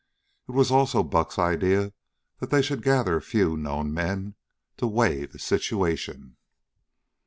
It was also Buck's idea that they should gather a few known men to weigh the situation.